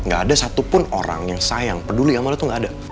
gak ada satupun orang yang sayang peduli sama lo tuh gak ada